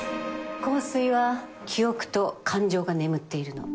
香水は記憶と感情が眠っているの。